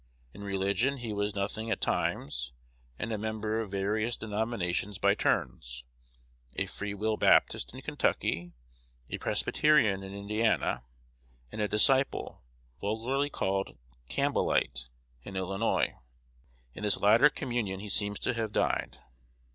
In religion he was nothing at times, and a member of various denominations by turns, a Free Will Baptist in Kentucky, a Presbyterian in Indiana, and a Disciple vulgarly called Campbellite in Illinois. In this latter communion he seems to have died.